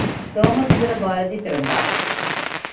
சோமசுந்தர பாரதி பிறந்தார்.